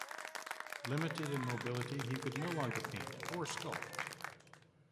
Limited in mobility, he could no longer paint or sculpt.